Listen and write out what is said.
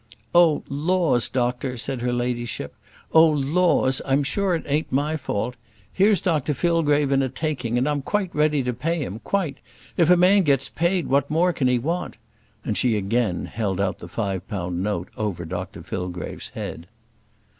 "Oh, laws, doctor!" said her ladyship. "Oh, laws; I'm sure it ain't my fault. Here's Dr Fillgrave in a taking, and I'm quite ready to pay him, quite. If a man gets paid, what more can he want?" And she again held out the five pound note over Dr Fillgrave's head.